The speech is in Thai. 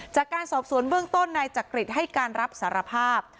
จากการสอบสวนเบื้องต้นนายจักริตให้การรับสารภาพ